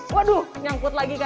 waduh nyangkut lagi kan